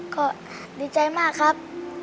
ก็ดีใจมากครับ